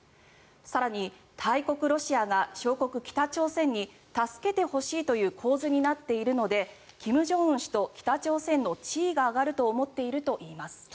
更に、大国ロシアが小国・北朝鮮に助けてほしいという構図になっているので金正恩氏と北朝鮮の地位が上がると思っているといいます。